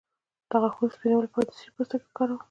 د غاښونو سپینولو لپاره د څه شي پوستکی وکاروم؟